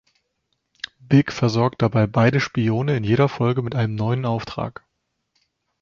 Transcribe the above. Big versorgt dabei beide Spione in jeder Folge mit einem neuen Auftrag.